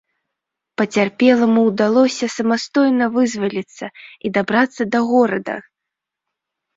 Пацярпеламу ўдалося самастойна вызваліцца і дабрацца да горада.